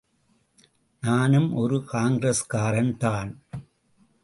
நானும் ஒரு காங்கிரஸ்காரன் தான்.